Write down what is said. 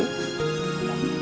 gak perlu puisi